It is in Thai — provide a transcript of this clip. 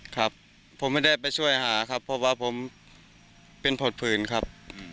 ครับผมไม่ได้ไปช่วยหาครับเพราะว่าผมเป็นผดผืนครับ